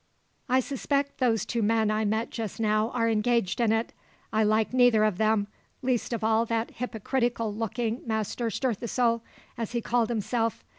I suspect those two men I met just now are engaged in it. I like neither of them, least of all that hypocritical looking Master Stirthesoul, as he called himself.